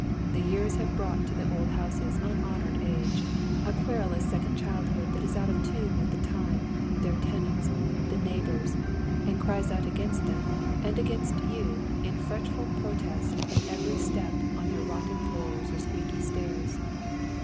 The years have brought to the old houses unhonored age, a querulous second childhood that is out of tnne with the time, tiieir tenants, the neighbors, and cries out against them and against yon in fretful protest in every step on their rotten flooi s or squeaky stairs.